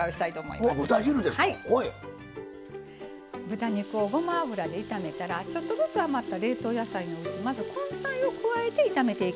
豚肉をごま油で炒めたらちょっとずつ余った冷凍野菜のうちまず根菜を加えて炒めていきます。